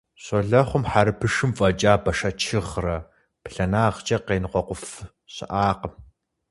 Щолэхъум хьэрыпышым фӀэкӀа бэшэчыгърэ, бланагъкӀэ къеныкъуэкъуф щыӀакъым.